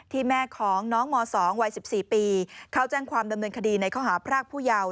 ที่แม่ของน้องม๒วัย๑๔ปีเขาแจ้งความดำเนินคดีในข้อหาพรากผู้เยาว์